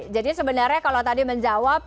jadi sebenarnya kalau tadi menjawab